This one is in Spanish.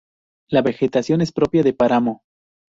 La vegetación es propia de páramo.